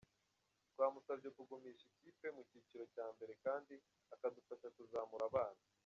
Twamusabye kugumisha ikipe mu cyiciro cya mbere kandi akadufasha kuzamura abana.